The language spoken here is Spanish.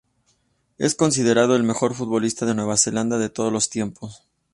Es considerado el mejor futbolista de Nueva Zelanda de todos los tiempos.